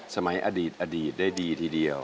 สมัยอดีตอดีตได้ดีทีเดียว